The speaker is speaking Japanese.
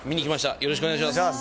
よろしくお願いします。